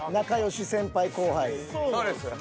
そうですよね。